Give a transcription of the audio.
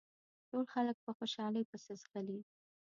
ټول خلک په خوشحالۍ پسې ځغلي.